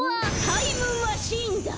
タイムマシーンだ！